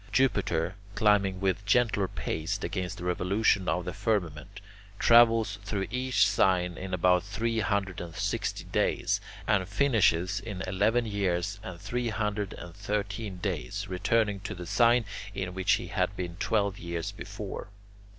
Jupiter, climbing with gentler pace against the revolution of the firmament, travels through each sign in about three hundred and sixty days, and finishes in eleven years and three hundred and thirteen days, returning to the sign in which he had been twelve years before.